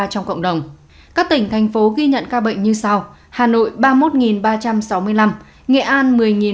trong cộng đồng các tỉnh thành phố ghi nhận ca bệnh như sau hà nội ba mươi một ba trăm sáu mươi năm nghệ an một mươi hai trăm chín mươi sáu